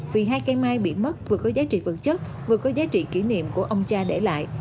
vì hai cây mai bị mất vừa có giá trị vật chất vừa có giá trị kỷ niệm của ông cha để lại